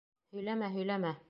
Һөйләмә, һөйләмә!